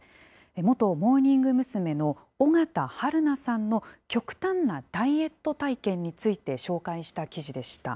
元モーニング娘。の尾形春水さんの極端なダイエット体験について紹介した記事でした。